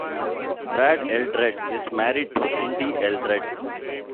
Brad Eldred is married to Cindy Eldred.